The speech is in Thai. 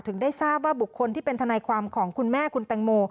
ได้ทราบว่าบุคคลที่เป็นทนายความของคุณแม่คุณแตงโม